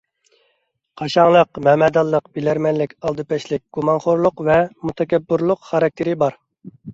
قاشاڭلىق، مەمەدانلىق، بىلەرمەنلىك، ئالدىپەشلىك، گۇمانخورلۇق ۋە مۇتەكەببۇرلۇق خاراكتېرى بار.